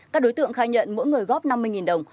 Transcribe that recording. các đối tượng khai nhận mỗi người góp năm mươi đồng